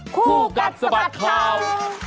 คู่กัดสะบัดข่าว